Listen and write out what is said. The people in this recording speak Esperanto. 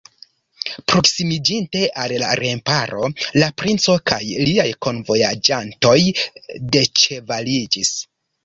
Proksimiĝinte al la remparo, la princo kaj liaj kunvojaĝantoj deĉevaliĝis.